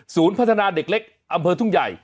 พัฒนาเด็กเล็กอำเภอทุ่งใหญ่